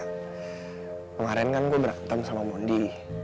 kemarin kan gue berantem sama mondi